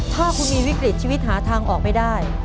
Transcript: ถ้าคุณมีวิกฤตชีวิตหาทางออกไม่ได้